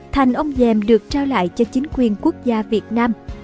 thành ông dèm được trao lại cho chính quyền quốc gia việt nam